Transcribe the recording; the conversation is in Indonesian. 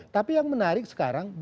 tapi yang menarik sekarang